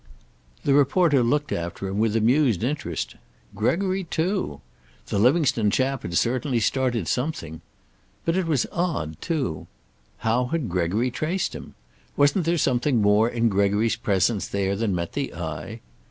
The reporter looked after him with amused interest. Gregory, too! The Livingstone chap had certainly started something. But it was odd, too. How had Gregory traced him? Wasn't there something more in Gregory's presence there than met the eye?